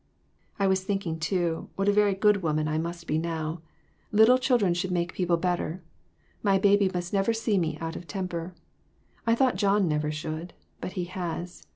" I was thinking, too, what a very good woman 392 THREE OF US. I must be now. Little children should make people better. My baby must never see me out of temper. I thought John never should, but he has.